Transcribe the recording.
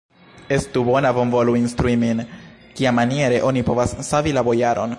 Estu bona, bonvolu instrui min, kiamaniere oni povas savi la bojaron.